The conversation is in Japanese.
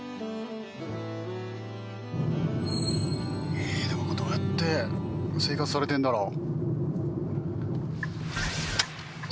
えでもどうやって生活されているんだろう？